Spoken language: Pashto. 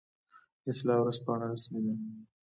اصلاح ورځپاڼه رسمي ده